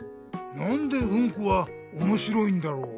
なんでウンコはおもしろいんだろう？